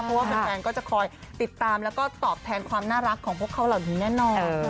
เพราะว่าแฟนก็จะคอยติดตามแล้วก็ตอบแทนความน่ารักของพวกเขาเหล่านี้แน่นอน